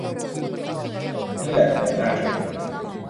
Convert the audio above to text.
นี่แหละเปิดหน้าชน